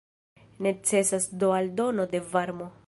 Necesas do aldono de varmo.